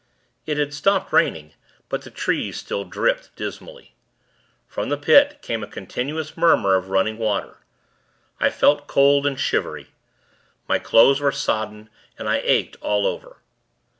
It had stopped raining, but the trees still dripped, dismally. From the Pit, came a continuous murmur of running water. I felt cold and shivery. My clothes were sodden, and I ached all over.